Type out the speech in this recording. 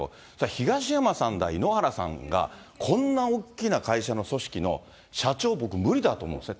東山さんだ、井ノ原さんがこんな大きな会社の組織の社長、僕、無理だと思うんですね。